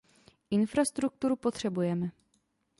Infrastrukturu potřebujeme.